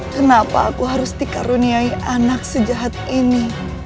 kenapa aku harus dikaruniai anak sejahat ini